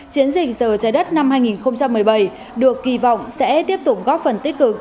chiến dịch giờ trái đất năm hai nghìn một mươi bảy được kỳ vọng sẽ tiếp tục góp phần tích cực